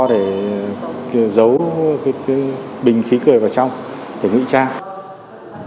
để giấu cái bình khí cười vào trong để ngụy trang